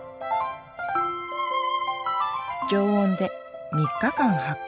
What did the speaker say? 常温で３日間発酵。